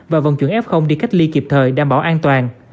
và vận chuyển f đi cách ly kịp thời đảm bảo an toàn